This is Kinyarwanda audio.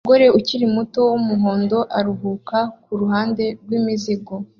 Umugore ukiri muto wumuhondo aruhuka kuruhande rwimizigo